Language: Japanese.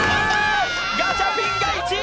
ガチャピンが１位。